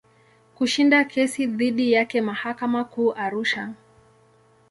Kushinda kesi dhidi yake mahakama Kuu Arusha.